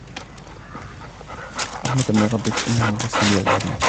رحمة من ربك إنه هو السميع العليم